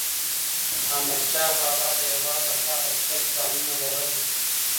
احمدشاه بابا د هېواد لپاره ستر پلانونه لرل.